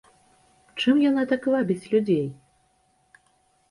Чым яна так вабіць людзей?